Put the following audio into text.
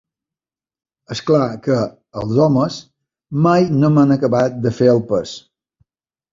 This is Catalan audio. És clar que els homes mai no m'han acabat de fer el pes.